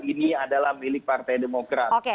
ini adalah milik partai demokrat